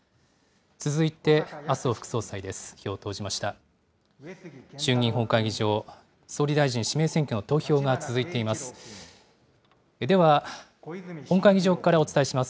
続いて麻生副総裁です。